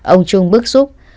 ông trung bức xúc